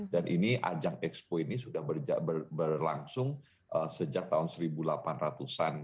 dan ini ajang expo ini sudah berlangsung sejak tahun seribu delapan ratus an